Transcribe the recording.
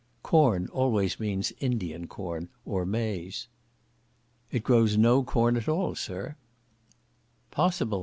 [Corn always means Indian corn, or maize.] "It grows no corn at all, sir.'" "Possible!